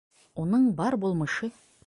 Уның бар булмышы: